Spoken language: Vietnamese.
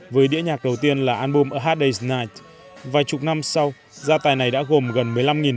một nghìn chín trăm sáu mươi bảy với đĩa nhạc đầu tiên là album a hard day s night vài chục năm sau gia tài này đã gồm gần